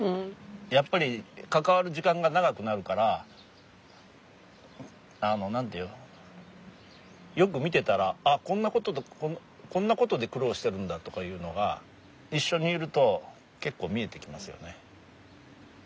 やっぱり関わる時間が長くなるからあの何て言うのよく見てたらあっこんなことで苦労してるんだとかいうのが一緒にいると結構見えてきますよね。